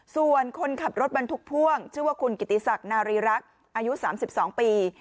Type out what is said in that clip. ส่วนคนขับรถบรรทุกพ่วงชื่อว่าคุณกิติศักดิ์นารีรักษ์อายุ๓๒ปี